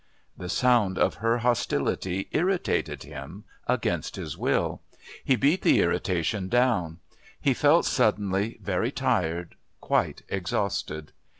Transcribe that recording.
The sound of her hostility irritated him against his will; he beat the irritation down. He felt suddenly very tired, quite exhausted.